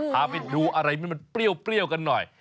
พาไปดูอะไรที่มันเปรี้ยวกันหน่อย